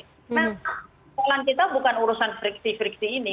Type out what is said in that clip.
karena soalan kita bukan urusan friksi friksi ini